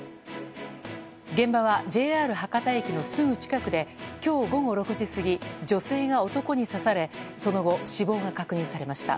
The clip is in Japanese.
現場はＪＲ博多駅のすぐ近くで今日午後６時過ぎ女性が男に刺されその後、死亡が確認されました。